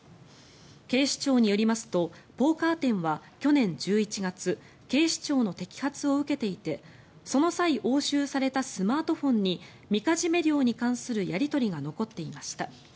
警視庁によりますとポーカー店は去年１１月警視庁の摘発を受けていてその際、押収されたスマートフォンにみかじめ料に関するやり取りが残っていました。